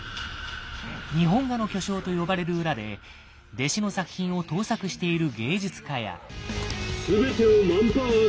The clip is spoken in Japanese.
日本画の巨匠と呼ばれる裏で弟子の作品を盗作している芸術家や。